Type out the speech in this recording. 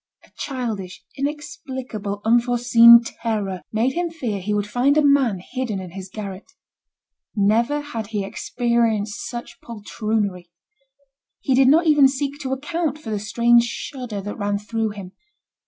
A childish, inexplicable, unforeseen terror made him fear he would find a man hidden in his garret. Never had he experienced such poltroonery. He did not even seek to account for the strange shudder that ran through him.